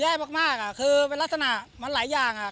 แย่มากคือเป็นลักษณะมันหลายอย่าง